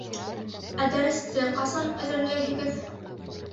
— Ә дәресте ҡасан әҙерләйһегеҙ?